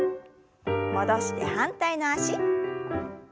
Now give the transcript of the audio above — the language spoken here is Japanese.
戻して反対の脚。